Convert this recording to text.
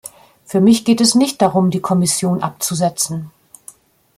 Für mich geht es nicht darum, die Kommission abzusetzen.